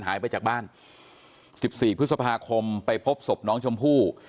หายไปจากบ้าน๑๔พฤษภาคมไปพบศพน้องชมพู่